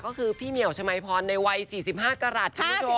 ก็คือพี่เหมียวชมัยพรในวัย๔๕กรัฐ